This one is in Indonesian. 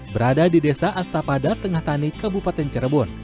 berada di desa astapadar tengah tani kabupaten cirebon